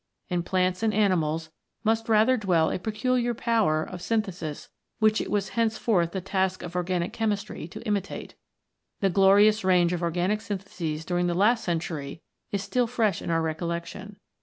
In plants and animals must rather dwell a peculiar power of synthesis which it was henceforth the task of Organic Chemistry to imitate. The glorious range of organic syntheses during the last century is still fresh in our recollection.